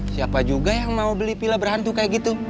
siapa juga yang mau beli pila berhantu kayak gitu